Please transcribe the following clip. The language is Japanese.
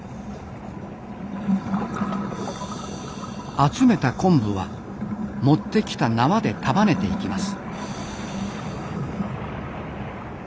集めた昆布は持ってきた縄で束ねていきます。